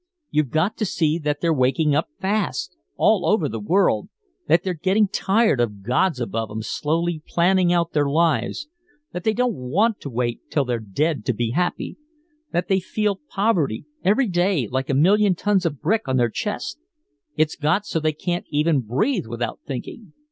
You've got to see that they're waking up fast all over the world that they're getting tired of gods above 'em slowly planning out their lives that they don't want to wait till they're dead to be happy that they feel poverty every day like a million tons of brick on their chests it's got so they can't even breathe without thinking!